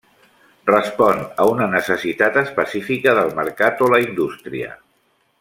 Respon a una necessitat específica del mercat o la indústria.